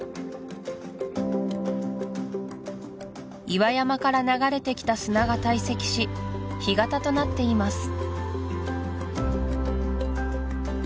岩山から流れてきた砂が堆積し干潟となっています